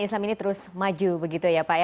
islam ini terus maju pak